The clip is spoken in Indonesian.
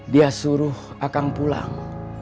dia suruh akang pulang